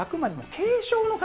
軽症の方。